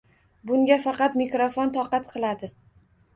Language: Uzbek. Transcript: Bunga faqat mikrofon toqat qiladi.